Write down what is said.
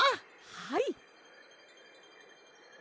はい！